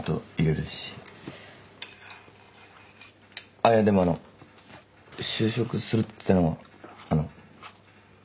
あっいやでもあの就職するってのがあの最優先だから。